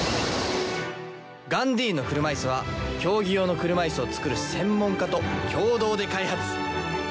ガンディーンの車いすは競技用の車いすを作る専門家と共同で開発。